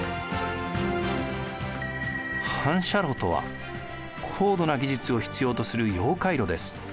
反射炉とは高度な技術を必要とする溶解炉です。